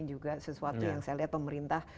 juga sesuatu yang saya lihat pemerintah